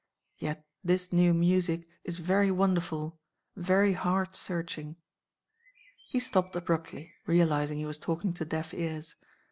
Yet this new music is very wonderful; very heart searching." He stopped abruptly, realising he was talking to deaf ears.